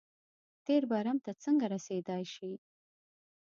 تېر برم ته څنګه رسېدای شي.